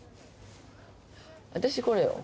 私これよ。